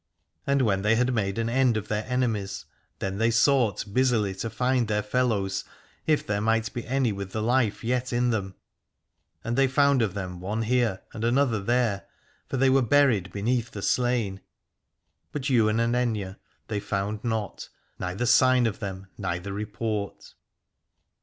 And when they had made an end of their enemies, then they sought busily to find their fellows, if there might be any with the life yet in them. And they found of them one here and another there, for they were buried beneath the slain : but Ywain 361 Aladore and Aithne they found not, neither sign of them, neither report.